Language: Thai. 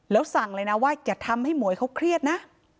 แล้วสั่งเลยนะว่าอย่าทำให้หมวยเขาเครียดนะ